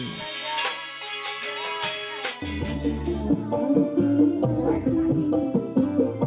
khususnya bangunan jalan dan jalan